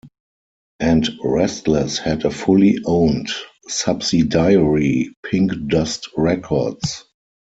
And Restless had a fully owned subsidiary Pink Dust Records.